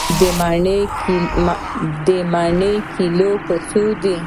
د مڼې کيلو په څو دی؟